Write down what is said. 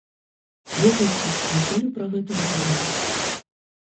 Ведаеце, ніколі пра гэта не думаў.